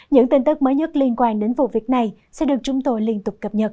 những tin tức mới nhất liên quan đến vụ việc này sẽ được chúng tôi liên tục cập nhật